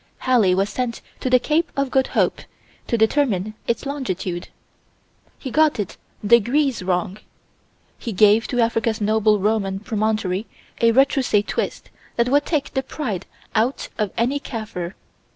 Halley was sent to the Cape of Good Hope to determine its longitude. He got it degrees wrong. He gave to Africa's noble Roman promontory a retroussé twist that would take the pride out of any Kaffir.